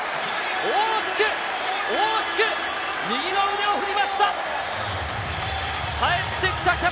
大きく右の腕を振りました。